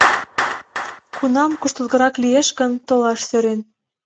Кунам куштылгырак лиеш гын, толаш сӧрен.